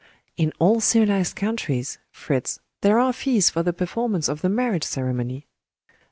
"In all civilized countries, Fritz, there are fees for the performance of the marriage ceremony."